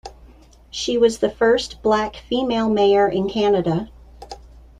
She was the first black female mayor in Canada.